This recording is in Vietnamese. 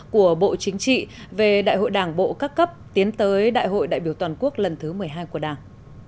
của bộ chính trị về đại hội đảng bộ các cấp tiến tới đại hội đại biểu toàn quốc lần thứ một mươi hai của đảng